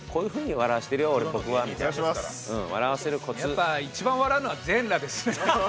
やっぱ一番笑うのは全裸ですね。